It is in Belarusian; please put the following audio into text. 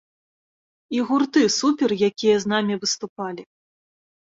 І гурты супер, якія з намі выступалі.